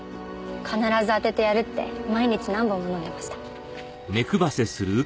必ず当ててやるって毎日何本も飲んでました。